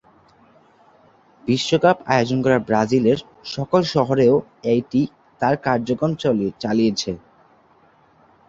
বিশ্বকাপ আয়োজন করা ব্রাজিলের সকল শহরেও এটি তার কার্যক্রম চালিয়েছে।